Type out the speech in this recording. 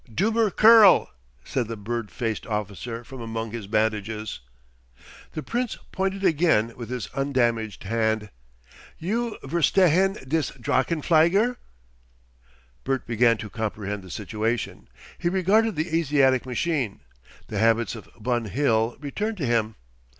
"Dummer Kerl!" said the bird faced officer from among his bandages. The Prince pointed again with his undamaged hand. "You verstehen dis drachenflieger?" Bert began to comprehend the situation. He regarded the Asiatic machine. The habits of Bun Hill returned to him.